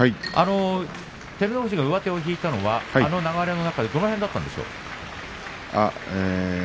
照ノ富士が上手を引いたのはあの流れの中でどの辺でしたか？